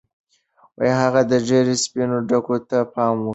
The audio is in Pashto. هغه د ږیرې سپینو ډکو ته پام وکړ.